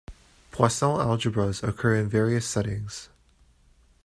Poisson algebras occur in various settings.